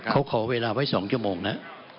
เขาขอเวลาไว้๒ชั่วโมงนะ